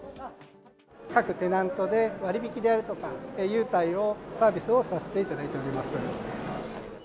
各テナントで割引であるとか、優待を、サービスをさせていただいております。